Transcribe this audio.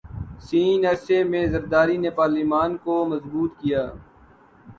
س عرصے میں زرداری نے پارلیمان کو مضبوط کیا